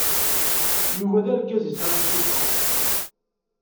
Yuba d argaz yesɛan ṣṣifa.